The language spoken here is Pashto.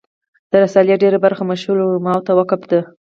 د رسالې ډېره برخه مشهورو علماوو ته وقف ده.